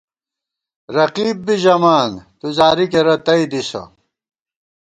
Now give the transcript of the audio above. رقیب بی ژَمان ، تُو زاری کېرہ تئ دِسہ